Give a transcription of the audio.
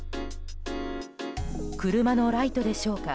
車のライトでしょうか。